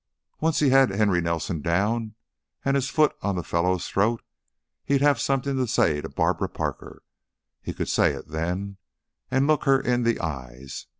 Once he had Henry Nelson down, and his foot on the fellow's throat, he'd have something to say to Barbara Parker. He could say it then and look her in the eyes.